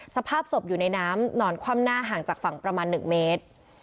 สภาพศพอยู่ในน้ำนอนคว่ำหน้าห่างจากฝั่งประมาณ๑เมตร